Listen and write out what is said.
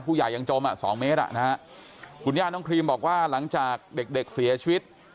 ผู้ใหญ่ยังจมสองเมตรคุณย่าน้องครีมบอกว่าหลังจากเด็กเสียชีวิต